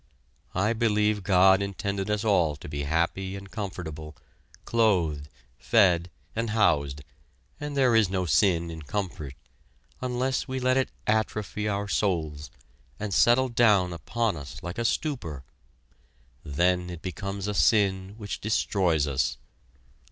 I believe God intended us all to be happy and comfortable, clothed, fed, and housed, and there is no sin in comfort, unless we let it atrophy our souls, and settle down upon us like a stupor. Then it becomes a sin which destroys us.